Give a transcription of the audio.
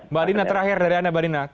mbak dina terakhir dari anda mbak dina